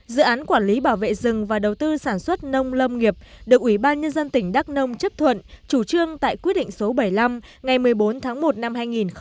dự án quản lý bảo vệ rừng và đầu tư sản xuất nông lâm nghiệp được ủy ban nhân dân tỉnh đắk nông chấp thuận chủ trương tại quyết định số bảy mươi năm ngày một mươi bốn tháng một năm hai nghìn một mươi bảy